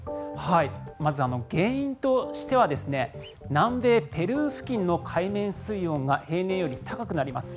まず、原因としては南米ペルー付近の海面水温が平年より高くなります。